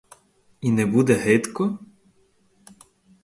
І не буде гидко?